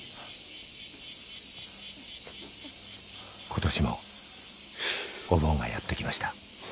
［ことしもお盆がやってきました］